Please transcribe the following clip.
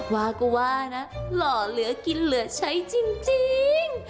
ว่าก็ว่านะหล่อเหลือกินเหลือใช้จริง